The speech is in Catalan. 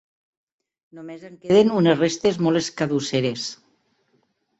Només en queden unes restes molt escadusseres.